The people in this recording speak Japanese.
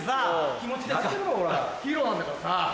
気持ちでやってみろほらヒーローなんだからさ。